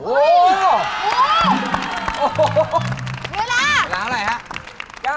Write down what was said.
เวลา